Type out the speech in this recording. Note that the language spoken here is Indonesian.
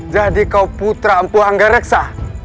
jadi kau putra empu hangga reksa